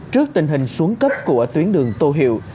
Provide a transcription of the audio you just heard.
trước tình hình xuống cấp của tuyến đường tô hiệu